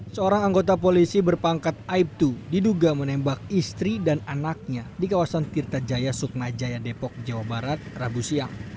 seorang anggota polisi berpangkat aibtu diduga menembak istri dan anaknya di kawasan tirta jaya suknajaya depok jawa barat rabu siang